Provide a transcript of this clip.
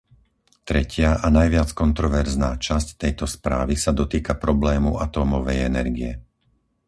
Tretia a najviac kontroverzná časť tejto správy sa dotýka problému atómovej energie.